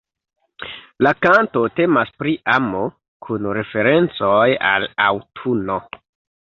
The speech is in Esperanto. La kanto temas pri amo, kun referencoj al aŭtuno.